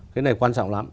cái này quan trọng lắm